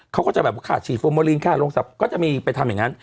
เขาก็จะแบบขาดฉีดฟอร์โมลีนค่าโรงศัพท์ก็จะมีไปทำอย่างนั้น